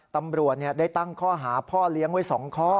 ตำรวจได้ตั้งข้อหาพ่อเลี้ยงไว้๒ข้อ